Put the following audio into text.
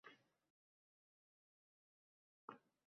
Uzoq yillar g`olib sovet xalqi, deya ta`kidlab keldik